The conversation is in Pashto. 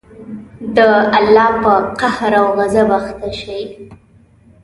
د الله په قهر او غصب اخته شئ.